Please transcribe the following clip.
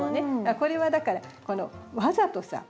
これはだからわざとさ